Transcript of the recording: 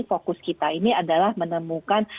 fokus kita ini adalah menemukan